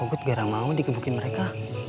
onggot garam mau dikebukin mereka